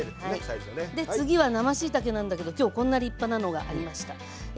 次は生しいたけなんだけど今日はこんな立派なのがありました。